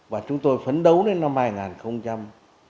và chúng tôi phấn đấu đến năm hai nghìn hai mươi